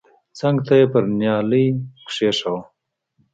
څنگ ته يې پر نيالۍ کښېښوه.